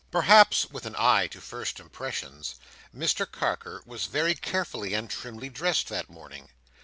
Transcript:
Perhaps with an eye to first impressions, Mr Carker was very carefully and trimly dressed, that morning.